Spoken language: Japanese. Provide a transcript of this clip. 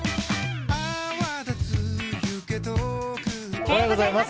おはようございます。